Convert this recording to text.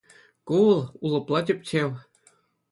Ку вӑл — улӑпла тӗпчев.